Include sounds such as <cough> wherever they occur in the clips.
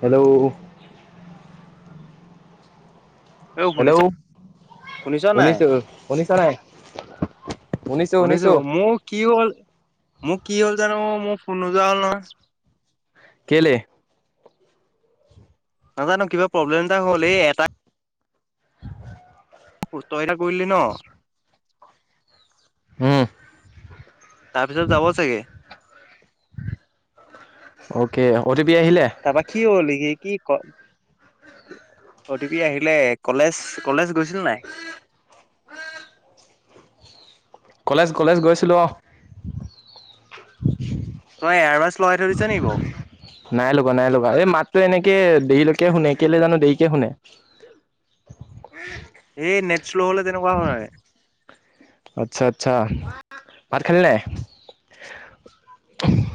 Hello, এ শুনিছ hello শুনিছ নাই? শুনিছোঁ শুনিছনে নাই শুনিছো মোৰ কি হ'ল। মোক কি হ'ল জানো মোৰ ফোন নোযোৱা হ'ল নহয়। কেলে? নাজানো কিবা প্ৰব্লেম এটা হ'ল এই এটা সুস্থ এটা কৰিলি ন। উম তাৰপিছত যাব চাগে। অকে অ পি আহিলে তাৰপা কি হ'ল কি কি ক অতিপি আহিলে কলেজ কলেজ গৈছিল নাই। <unintelligible> কলেজ কলেজ গৈছিলোঁ অ'। ত ইয়াৰ বছ নাই লগা নাই লগা এই মাত্ৰো এনেকে দেলৈকে কে শুনে কেলে জানো দেকে শুনে। এই নেট শ্ল' হলে তেনেকুৱা হয় নাই। আচ্ছা আচ্ছা ভাত খেলনে?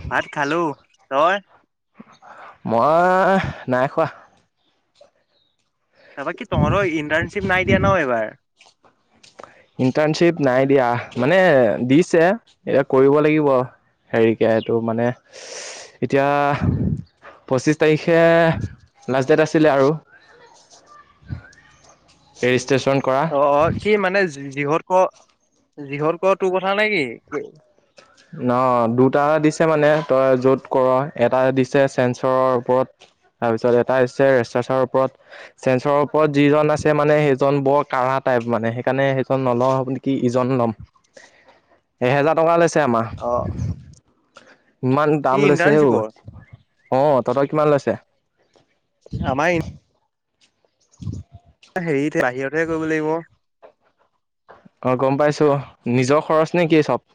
ভাত খালো তই? মই নাই খোৱা। তাৰাপ কি তহৰো ইণ্টাৰ্ণশ্বিপ নাই দিয়া ন এইবাৰ। ইণ্টাৰণশ্বিপ নাই দিয়া মানে দিছে এতিয়া কৰিব লাগিব। হেৰিকে এইটো মানে এতিয়া পঁচিছ তাৰিখে লাষ্ট ডেট আছিলে আৰু। এই অ কি মানে যিহত ক যিহত ক তোৰ কথা নে কি? ন দুটা দিছে মানে তই য'ত কৰ এটা দিছে চেঞ্চৰৰ ওপৰত তাৰপিছত এটা হৈছে ৰেচাৰছৰ ওপৰত চেঞ্চৰৰ ওপৰত যিজন আছে মানে সেইজন বৰ কঢ়া <unintelligible> চমাহ অ' ইমান কি দাম লৈছে হও ইণ্টাৰ্ণশ্বিপৰ? অ তহঁতই কিমান লৈছে? আমাৰ উ। হেৰিতে বাহিৰতহে কৰিব লাগিব। অ গম পাইছো নিজৰ খৰচ নে কি চব।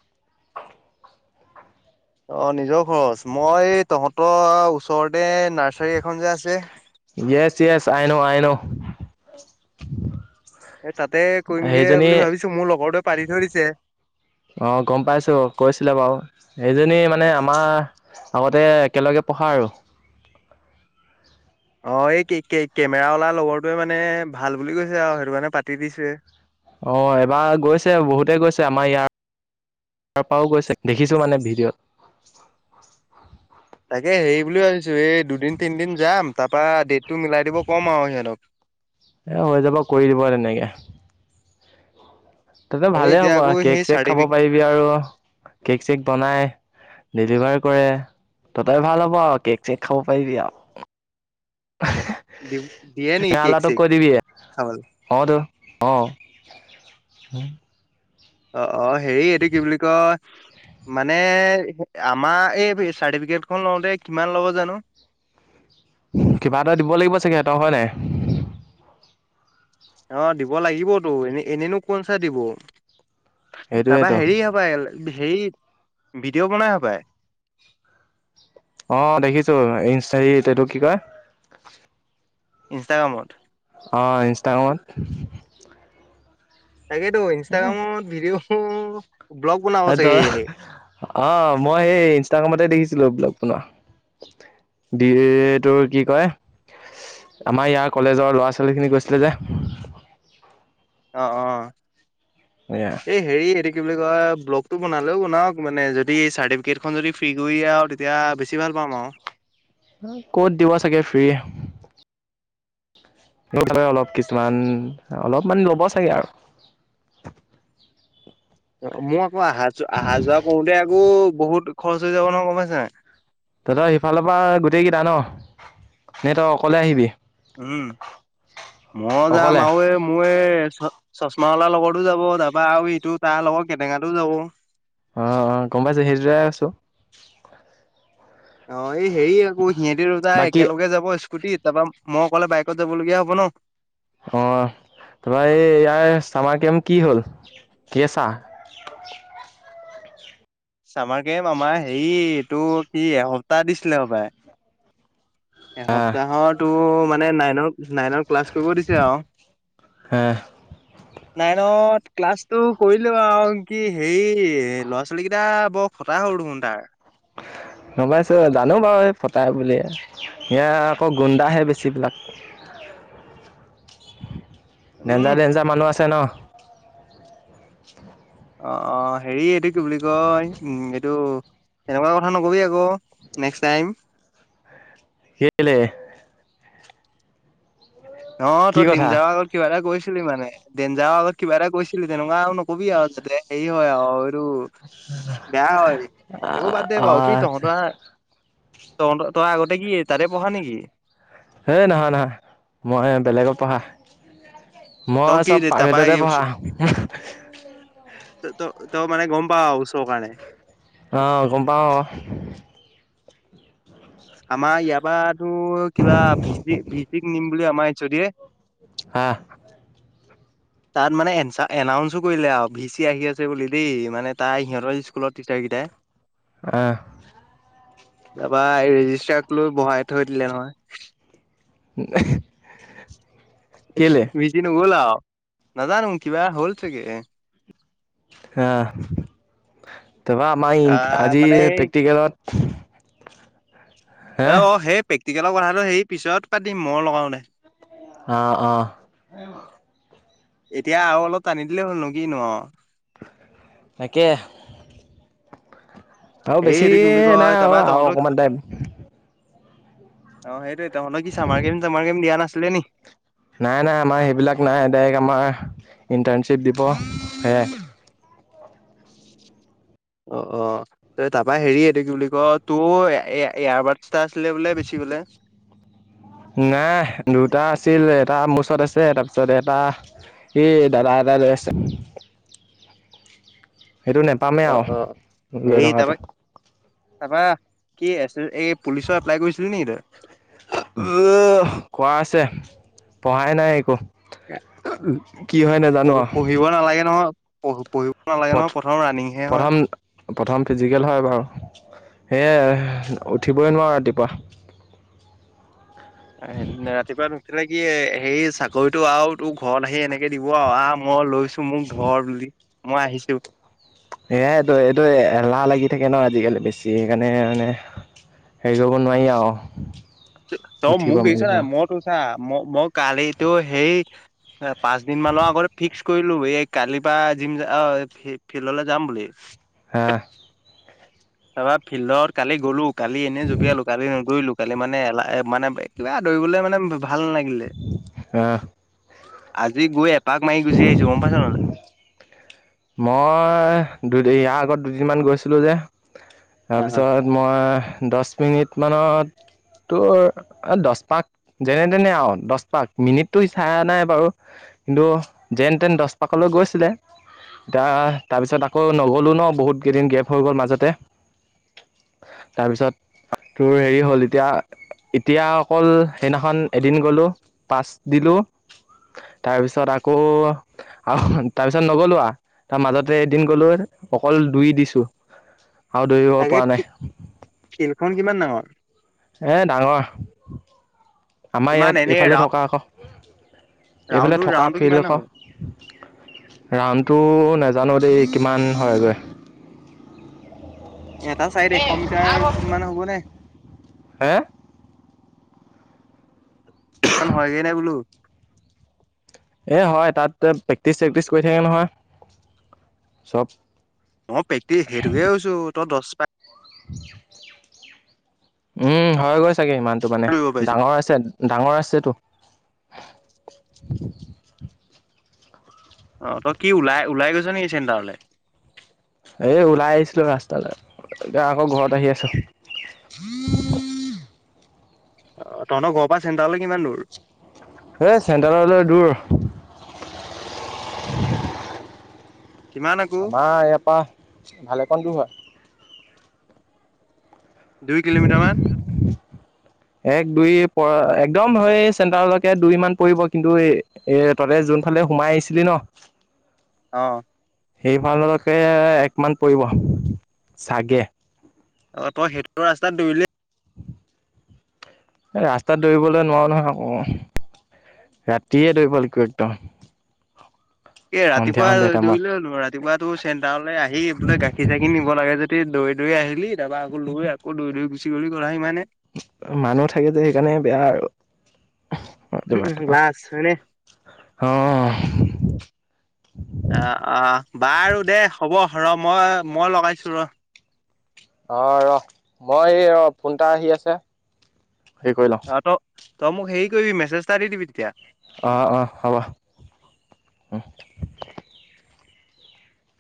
অ নিজৰ খৰচ মই তহঁতৰ ওচৰতে নাৰ্চাৰী এখন যে আছে ছ ছ আই নো আই ন'। এ তাতে কৰিমগে সেইজনী বুলি ভাবিছো মোৰ লগৰটোৱে পাৰ ধৰিছে। অ গম পাইছো কৈছিলে বাৰু এইজনী মানে আমাৰ আগতে একেলগে পঢ়া আৰু। অ', এই কেমেৰা লা লগৰটোৱে মানে ভাল বুলি কৈছে আৰু সেইটো কাৰানে পাতি দিছোৱয়ে। অ', এবাৰ গৈছে বহুতে গৈছে আমাৰ ইয়াৰ তাৰ পৰাও গৈছে দেখিছোঁ মানে ভিডিঅ'ত। তাকে হেৰি বুলি ভাবিছো এই দুদিন তিনদিন যাম তাৰপা ড তটো মিলাই দিব কম আৰু সিহঁতক। এ হৈ যাব কৰি দিব তে এই ভালেই এতিয়া হ'ব আকৌ কেক সেই চেক খাব চাৰ্টিফিক পাৰিবি আৰু কেক চেক বনাই। ডেলিভাৰ কৰে ততই ভাল হ'ব আৰু কেক চেক খাব পাৰিবি আৰু। দিয়ে নেকি কেক লাটো চেক কৰিবি খাবলৈ অতো অঁ'। অ', অ', হেৰি এইটো কি বুলি কয় মানে আমাৰ এই চাৰ্টিফিকেট খ লওঁতে কিমান ল'ব জানো। <unintelligible> কিবা এটা দিব লাগিব চাগে সিহঁতৰ হয় নাই। অ', দিব লাগিবতো এনে এনেইনো কোন চাই দিব। <inaudible> সেইটোয়েতো হেৰি ভিডিঅ' বনায় হ পায় অ দেখিছো ইঞ্চ এইটোক কি কয় ইনষ্টাগ্ৰামত অঁ ইনষ্টাগ্ৰত তাকেতো ইনষ্টাগ্ৰামত ভিডিঅ' ব্লগ বনাব চাগে <unintelligible> অ মই সেই ইনষ্টাগ্ৰামতে দেখিছিলো ব্লগ বনোৱা <unintelligible> তোৰ কি কয় আমাৰ ইয়াৰ কলেজৰ ল'ৰা ছোৱালী খিনি গৈছিলে যে অ অ এয়া এই হেৰি <unintelligible> কি বুলি কয় ব্লগটো বনালেও বনাওক মানে যদি চাৰ্টিফিকেটখন যদি ফ্ৰী কৰি আৰু তেতিয়া বেছি ভাল <inaudible> ক'ত দিব চাগে ফ্ৰ্ৰী <unintelligible> কিছুমান অলপমান ল'ব চাগে আৰু <unintelligible> <unintelligible> মই আকৌ আহা যোৱা আহা যোৱা কৰোতে আকৌ বহুত খৰচ হৈ যাব নহয় গম পাইছ <unintelligible> দাদা সিফালৰ পৰা গোটেই কেইটা ন ন তই অকলে আহিবি উম মই যাম অকলে আৰুে য়ে মূৰে <unintelligible> চশমা অলাৰ লগৰতো যাব তাপৰা আৰু ইটো তাৰ লগৰ কেটেঙাটো যাব অ অ গম পাইছেো <unintelligible> আছো অ এই হেৰি আকৌ সিহঁতি দুটা বাকী একেলগে যাব <unintelligible> <unintelligible> তাৰপৰা মই অকলে বাইকত যাবলগীয়া হ'ব ন অ তাপৰা এই ইয়াৰ চামাৰ কেম কি হ'ল কেচা <unintelligible> চামাৰকেম আমাৰ হেৰি এইটো কি এসপ্তাহ দিছিলে হবায় আহ এসপ্তাহতো মানে নাই <unintelligible> নাইনৰ ক্লাছ কৰিব দিছে আৰু আহ নাইনত ক্লাছটো কৰিলো আৰু কি হেৰি ল'ৰা ছোৱালী কেইটা বৰ <unintelligible> <inaudible> নমাইছোঁ জানো বাৰু এই ফটাই বুলিয়ে এ আকৌ গুণ্ডাহে বেছিবিলাক <unintelligible> উম ডেঞ্জাৰ ডেঞ্জাৰ মানুহ আছে ন অ অ হেৰি এইটো কি বুলি কয় উম এইটো তেনেকুৱা কথা নকবি আকৌ নেক্সট টাইম কেলে অ কি তই দিন কথা দিঞ্জা কিবা এটা কৈ <unintelligible> <unintelligible> মানে ডেঞ্জাৰ আগত কিবা এটা কৈছিলি তেনেকুৱা আৰু নকবি আৰু যাতে হেৰি হয় আৰু এইটো <unintelligible> বেয়া হয় সেইবোৰ বাদ দে বাৰু কি আহ তহঁত <unintelligible> ত তই আগতেে কি তাতে পঢ়া নেকি হেই নহয়-নহয় মই বেলেগত পঢ়া। তই মই কি চব তাৰপা প্ৰায়ভেততে পঢ়া। ত-ত তই গম মানে পাওঁ আৰু ওচৰৰ কাৰনে। অ' গম পাওঁ। আমাৰ ইয়াৰ পৰাতো কিবা ভিপি-ভিপিক নিম বুলি আমাৰ এইচ চোদী এ দিয়ে হা তাত মানে এনচা এনাউঞ্চো কৰিলে আৰু ভি চি আহি আছে বুলি দেই মানে তাই সিহঁতৰ স্কুলত টিচাৰ গীতাই অহ, তাৰপা ৰেজিষ্টাৰক লৈ বহাই থৈ দিলে নহয়। <inaudible> কেলে বিজি নগ'ল আও নাজানো কিবা হ'ল ছাগে। হ তাপা আমাৰ আহ আজি মানে এই প্ৰেক্টিকেলত, হে অ-অ সেই প্ৰেক্টিকেলৰ কথাটো সেই পিছত পাতিম মই লগাওনে অহ-অহ, এতিয়া আৰু অলপ টানি দিলে হ'ল ন কিনো‌ আও, তাকে আৰু এই বেছি হেৰি এইটো কি বুলি নাই কয় আৰু তাৰপৰা আৰু তহঁত অকণমান টাইম অ' সেইটোৱে তহঁতৰ কি চামাৰ কেম তামাৰ কেম দিয়া নাছিলে নি? নাই-নাই আমাৰ সেইবিলাক নাই ডাইৰেক্ট আমাৰ ইণ্টাৰ্ণশ্বিপ দিব সেয়াই অ-অ তই তাৰপা হেৰি এইটো কি বুলি ক তোৰ এ এয়াৰ বাডচ এটা আছিলে বোলে বেছিলি বোলে। নাই দুটা আছিল এটা মোৰ ওচৰত আছে তাৰপিছত এটা সেই দাদা এটাই লৈ আছে। সেইটো নেপামেই অ অ আৰু লৈ হেৰি তাৰপা থকাটো। তাৰপা কি আছিল এই পুলিচৰ এপ্লাই কৰিছিলি নেকি তই? কোৱা আছে? পঢ়াই নাই একো কি হয় নাজানো আৰু? পঢ়ি-পঢ়িব, প্ৰথম-প্ৰথম ফিজিকেল হয় বাৰু। সেয়ে উঠিবই নোৱাৰো ৰাতিপুৱা। সেইদি ৰাতিপুৱা নুঠিলে কি হে চাকৰিটো আৰু তোৰ ঘৰত আহি এনেকে ত দিব আৰু অহ মই লৈছো মোক ধৰ বুলি মই আহিছো। সেয়াইটো এইটো এলাহ লাগি থাকে ন আজিকালি বেছি সেইকাৰণে মানে হেৰি কৰিব নোৱাৰি আৰু উঠিব মেলিব। ম মই কালিতো সেই পাঁচ দিন মানৰ আগতে ফিক্স কৰিলো এই কালিৰ পৰা জিম অ' ফিল্ডলৈ যাম বুলি। হা তাৰপৰা ফিল্ডৰ কালি গ'লো কালি এনে জপিয়ালো কালি নদৰিলো কালি মানে এলাহ মানে কিবা দৰিবলে মানে ভাল নালাগিলে। আহ আজি গৈ এপাক মাৰি গুচি আহিছো গম পাইছ নাই তই। মই দুই ইয়াৰ আগত দুদিনমান গৈছিলো যে। অ তাৰপিছত মই দচ মিনিটমানত, তোৰ দচ পাক যেনে তেনে আৰু দচ পাক মিনিটতটো চাই নাই বাৰু। কিন্তু যেন তেন দছ পাকলৈ গৈছিলে, এতিয়া তাৰপিছত আকৌ নগ'লো ন বহুত কেইদিন গেপ হৈ গ'ল মাজতে। তাৰপিছত তোৰ হেৰি হ'ল এতিয়া-এতিয়া অকল সেইদিনাখন এদিন গ'লোঁ। পাচ দিলো তাৰপিছত আকৌ তাৰপিছত নগলো তাৰ মাজতে এদিন গলো অকল দুই দিছো। আৰু দৌৰিব তাকে পৰা নাই। ফিল্ডখন কিমান ডাঙৰ এ ডাঙৰ আমাৰ কিমান ইয়াত এনেই এইফালে থকা আকৌ। এইফালে ৰাউণ্ডটো থকা ৰাউণ্ডটো ফিল্ড‌ কিমান হ'ব আকৌ ৰাউণ্ডটো নাজানো দেই কিমান হয়গৈ এটা চাইদ এশ মিটাৰ মান হ'বনে হে ইমান হয়গৈ নাই বোলো এই হয় তা প্ৰেক্টিচ চেক্টিচ কৰি থাকে নহয় চব অ প্ৰেক্টি সেইটোকে কৈছো তই দহ পাক উম হৈ গৈছে চাগে ইমানটো মানে দৌৰিব পাৰিছ ডাঙৰ আছে ডাঙৰ আছেতো <inaudible> অ তই কি ওলাই ওলাই গৈছ নেকি চেণ্টাৰলে এ ওলাই আহিছিলো ৰাস্তালৈ এতিয়া আকৌ ঘৰত আহি আছো <inaudible> হম অ তহঁতৰ ঘৰৰ পৰা চেণ্টাৰলৈ কিমান দূৰ এ চেণ্টাৰতলৈ দূৰ <unintelligible> কিমান আকৌ আমাৰ ইয়াৰ পৰা ভালেমান দূৰ হয়। দুই কিলোমিটাৰ মান <inaudible> এক দুই পৰা একদম হয় চেণ্টাৰলৈকে দুই মান পৰিব। কিন্তু এ ততে যত ফালে সোমাই আহিছিলি ন <unintelligible> আহ সেইফালকৈ একমান পৰিব চাগে। অ তই সেইটো ৰাস্তাত ধৰিলি <unintelligible> এই ৰাস্তাত দৌৰিবলৈ নোৱাৰো নহয় আকৌ। ৰাতিে দৈ পালিকো একদম <unintelligible> এ সন্ধিয়া ৰাতিপুৱা সন্ধিয়া টাইমত দৌৰিলে হ'লো ৰাতিপুৱাাতটো চেণ্টাৰলৈ আহি বোলে, গাখীৰ চাখি নিব লাগে যদি দৌৰি দৌৰি আহিলি তাৰপৰা আকৌ লৈ আকৌ দৈৰি গুচি গল'লিানে <unintelligible> মানুহ থাকে যে, সেইকাৰণে বেয়া আৰু। অজাট লাজ হয়নে বা অ <unintelligible> অ অ বাৰু দে হ'ব ৰ মই মই লগাইছো ৰ অ ৰহ মই ৰ ফোন এটা আহি আছে হেৰি কৰি লওঁ অ' <unintelligible> <inaudible> <inaudible> ত মোক হেৰি কৰিবি মেছেজ এটা দি দিবি তেতিয়া। অঁ অঁ হ'ব <inaudible>